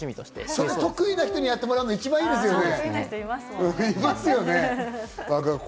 それ得意な人にやってもらうのが一番いいですよね。